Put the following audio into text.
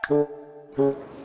iya udah gak apa apa